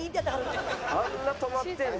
あんな止まってるんだ。